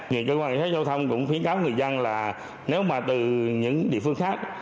nhiều cơ quan y tế giao thông cũng khuyến cáo người dân là nếu mà từ những địa phương khác